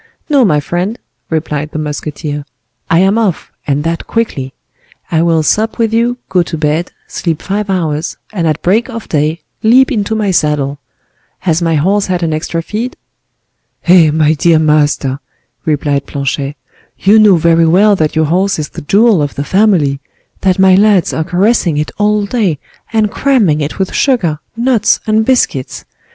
"No, my friend," replied the musketeer; "I am off, and that quickly. I will sup with you, go to bed, sleep five hours, and at break of day leap into my saddle. Has my horse had an extra feed?" "Eh! my dear master," replied Planchet, "you know very well that your horse is the jewel of the family; that my lads are caressing it all day, and cramming it with sugar, nuts, and biscuits.